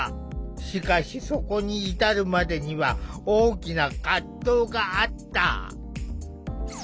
しかしそこに至るまでには大きな葛藤があった。